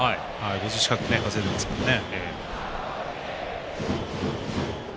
５０近く稼いでいますからね。